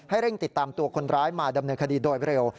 เร่งติดตามตัวคนร้ายมาดำเนินคดีโดยเร็ว